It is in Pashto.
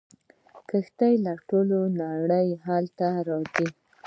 کښتۍ له ټولې نړۍ هلته راځي.